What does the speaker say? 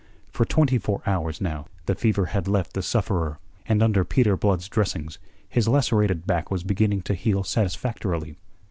For twenty four hours now the fever had left the sufferer, and under Peter Blood's dressings, his lacerated back was beginning to heal satisfactorily.